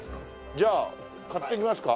じゃあ買ってきますか。